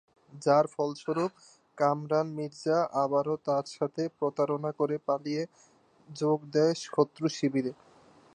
যার ফলস্বরূপ কামরান মির্জা আবারো তার সাথে প্রতারণা করে পালিয়ে যোগ দেন শত্রু শিবিরে।